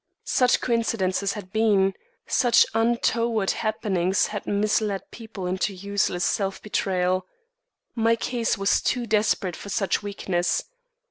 Such coincidences had been. Such untoward happenings had misled people into useless self betrayal. My case was too desperate for such weakness.